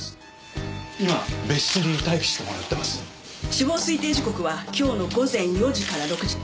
死亡推定時刻は今日の午前４時から６時。